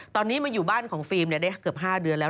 ตอนนี้มาอยู่บ้านของฟิล์มได้เกือบ๕เดือนแล้ว